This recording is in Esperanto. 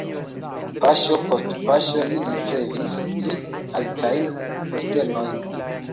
Paŝo post paŝo li ricevis pli altajn postenojn.